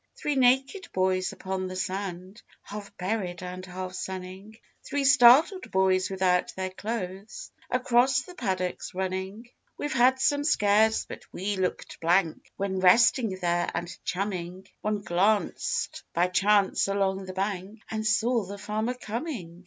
Three naked boys upon the sand Half buried and half sunning Three startled boys without their clothes Across the paddocks running. We've had some scares, but we looked blank When, resting there and chumming, One glanced by chance along the bank And saw the farmer coming!